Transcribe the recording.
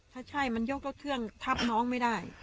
ถ้าใช่มันยกรถเครื่องทับน้องไม่ได้